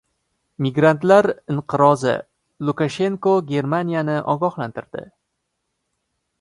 Migrantlar inqirozi: Lukashenko Germaniyani ogohlantirdi